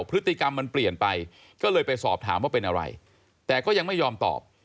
พฤติกรรมมันเปลี่ยนไปก็เลยไปสอบถามว่าเป็นอะไรแต่ก็ยังไม่ยอมตอบ